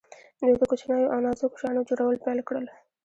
دوی د کوچنیو او نازکو شیانو جوړول پیل کړل.